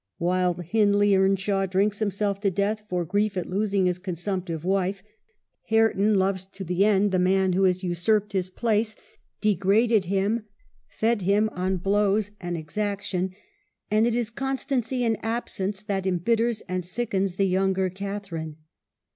Wild Hindley Earnshaw drinks himself to death for grief at losing his consumptive wife ; Hareton loves to the end the man who has usurped his place, de graded him, fed him on blows and exaction : and it is constancy in absence that imbitters and sickens the younger Catharine.